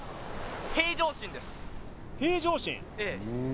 平常心？